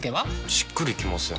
しっくりきません。